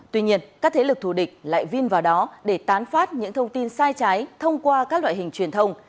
tuy nhiên các thế lực thù địch lại vin vào đó để tán phát những thông tin sai trái thông qua các loại hình truyền thông